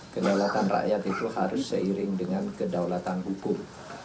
kedaulatan rakyat itu harus seiring dengan kedaulatan hukum